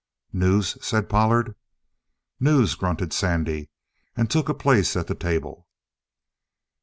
"News?" said Pollard. "News," grunted Sandy, and took a place at the table.